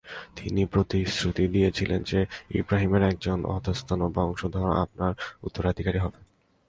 তিনি প্রতিশ্রুতি দিয়েছিলেন যে, ইবরাহীমের একজন অধঃস্তন বংশধর আপনার উত্তরাধিকারী হবেন।